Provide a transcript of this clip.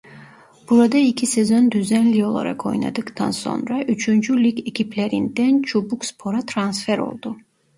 Burada iki sezon düzenli olarak oynadıktan sonra Üçüncü Lig ekiplerinden Çubukspor'a transfer oldu.